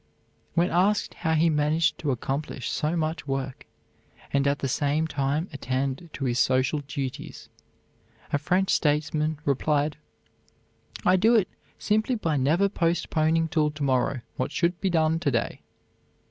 When asked how he managed to accomplish so much work, and at the same time attend to his social duties, a French statesman replied, "I do it simply by never postponing till to morrow what should be done to day."